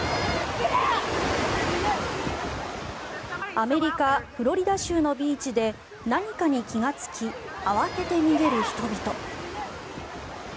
アメリカ・フロリダ州のビーチで何かに気がつき慌てて逃げる人々。